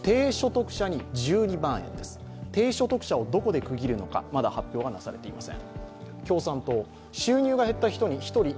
低所得者をどこで区切るのか、まだ発表されていません。